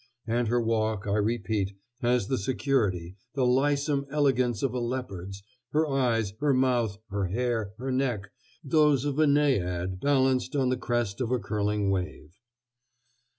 And her walk, I repeat, has the security, the lissome elegance of a leopard's her eyes, her mouth, her hair, her neck, those of a Naiad balanced on the crest of a curling wave....